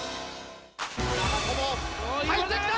長友入ってきた！